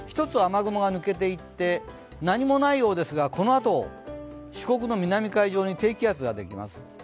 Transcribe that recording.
１つ雨雲が抜けていって何もないようですが、このあと四国の南海上に低気圧ができます。